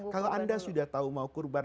kalau anda sudah tahu mau kurban